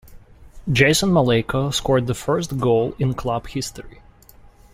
Jason Maleyko scored the first goal in club history.